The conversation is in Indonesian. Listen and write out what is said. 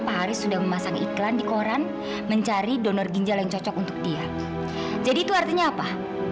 pak haris sudah memasang iklan di koran mencari donor ginjal yang cocok untuk dia jadi itu artinya apa